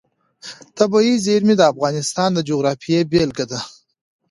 طبیعي زیرمې د افغانستان د جغرافیې بېلګه ده.